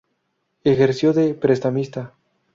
Ejerció de prestamista.